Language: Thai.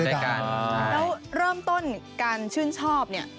แล้วเริ่มต้นการชื่นชอบเนี่ย